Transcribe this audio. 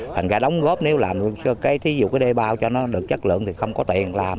thành ra đóng góp nếu làm cái thí dụ cái đê bao cho nó được chất lượng thì không có tiền làm